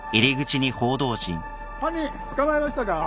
犯人捕まえましたか？